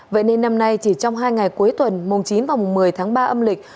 vậy nên năm nay chỉ trong hai ngày cuối tuần mùng chín và mùng một mươi tháng ba âm lịch